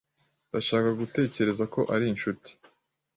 Ndashaka gutekereza ko ari inshuti.